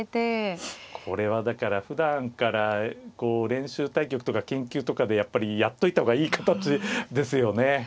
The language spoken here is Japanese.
これはだからふだんから練習対局とか研究とかでやっぱりやっといた方がいい形ですよね。